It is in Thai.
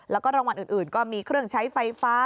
แล้วก็รางวัลอื่นก็มีเครื่องใช้ไฟฟ้า